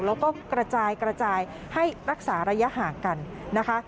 แล้วก็กระจายกระจายให้รักษาระยะห่างกันนะคะ